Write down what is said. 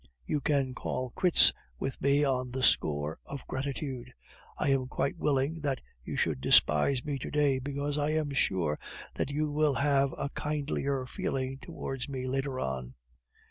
You can call quits with me on the score of gratitude. I am quite willing that you should despise me to day, because I am sure that you will have a kindlier feeling towards me later on.